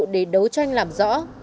để đấu tranh làm rõ